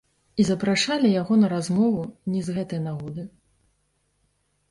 І запрашалі яго на размову не з гэтай нагоды.